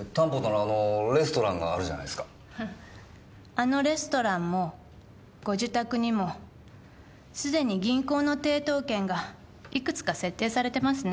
あのレストランもご自宅にもすでに銀行の抵当権がいくつか設定されてますね。